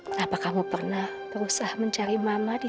kenapa kamu pernah berusaha mencari mama